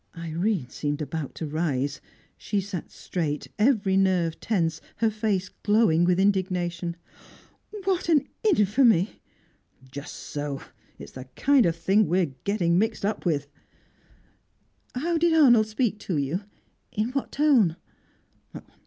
Irene seemed about to rise. She sat straight, every nerve tense, her face glowing with indignation. "What an infamy!" "Just so. It's the kind of thing we're getting mixed up with." "How did Arnold speak to you? In what tone?"